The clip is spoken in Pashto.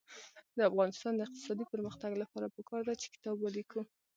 د افغانستان د اقتصادي پرمختګ لپاره پکار ده چې کتاب ولیکو.